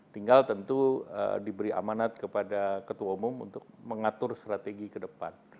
tinggal tentu diberi amanat kepada ketua umum untuk mengatur strategi ke depan